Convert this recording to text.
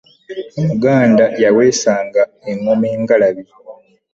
omuganda yawesanga enggoma engalabi